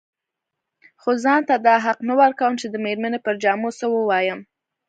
خو ځان ته دا حق نه ورکوم چې د مېرمنې پر جامو څه ووايم.